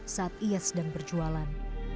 saat ia sedang berjualan